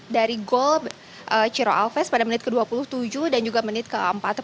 dari gol chiro alves pada menit ke dua puluh tujuh dan juga menit ke empat puluh